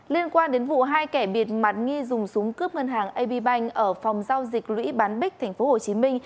liên quan đến vụ hai kẻ biệt mặt nghi dùng súng cướp ngân hàng ab bank ở phòng giao dịch lũy bán bích tp hcm